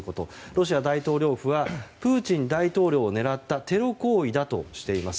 ロシア大統領府はプーチン大統領を狙ったテロ行為だとしています。